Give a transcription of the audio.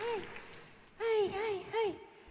はいはいはい！